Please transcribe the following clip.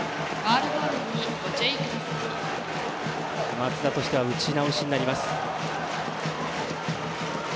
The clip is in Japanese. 松田としては打ち直しになります。